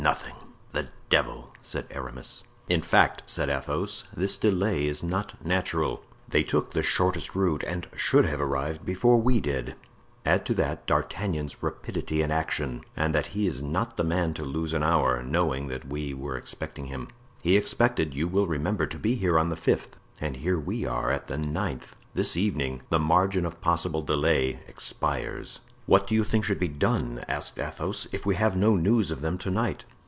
"Nothing." "The devil!" said Aramis. "In fact," said Athos, "this delay is not natural; they took the shortest route and should have arrived before we did." "Add to that D'Artagnan's rapidity in action and that he is not the man to lose an hour, knowing that we were expecting him." "He expected, you will remember, to be here on the fifth." "And here we are at the ninth. This evening the margin of possible delay expires." "What do you think should be done," asked Athos, "if we have no news of them to night?"